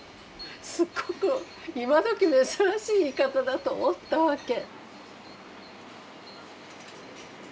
すっごく今どき珍しい言い方だと思ったわけ。